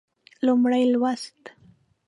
لومړی لوست